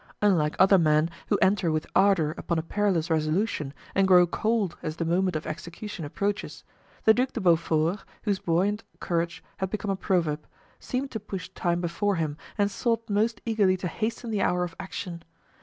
Unlike other men, who enter with ardor upon a perilous resolution and grow cold as the moment of execution approaches, the Duc de Beaufort, whose buoyant courage had become a proverb, seemed to push time before him and sought most eagerly to hasten the hour of action.